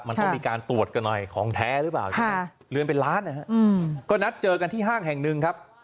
มันต้องมีการตรวจกันหน่อยของแท้หรือเปล่าใช่ไหมเรือนเป็นล้านนะฮะก็นัดเจอกันที่ห้างแห่งหนึ่งครับ